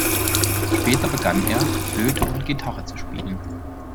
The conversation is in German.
Später begann er, Flöte und Gitarre zu spielen.